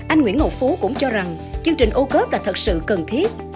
anh nguyễn ngọc phú cũng cho rằng chương trình ô cớp là thật sự cần thiết